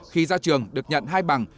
khi ra trường được nhận hai bằng